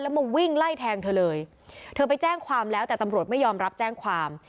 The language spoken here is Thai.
มาวิ่งไล่แทงเธอเลยเธอไปแจ้งความแล้วแต่ตำรวจไม่ยอมรับแจ้งความ